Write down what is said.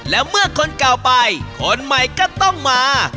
และเมื่อคนเก่าไปคนใหม่ก็ต้องมา